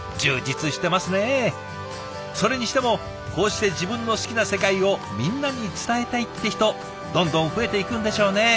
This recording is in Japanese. それにしてもこうして自分の好きな世界をみんなに伝えたいって人どんどん増えていくんでしょうね。